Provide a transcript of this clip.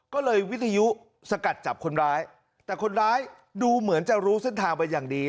ก็เลยวิทยุสกัดจับคนร้ายแต่คนร้ายดูเหมือนจะรู้เส้นทางเป็นอย่างดี